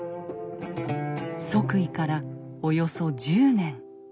即位からおよそ１０年。